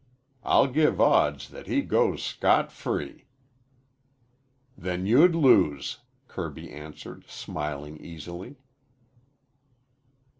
"I'd give odds that he goes scot free." "Then you'd lose," Kirby answered, smiling easily.